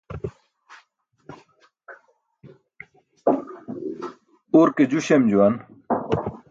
Urke ju śem juwan.